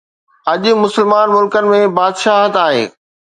اڄ مسلمان ملڪن ۾ بادشاهت آهي.